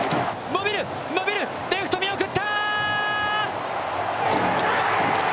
伸びる、伸びる、レフト見送った。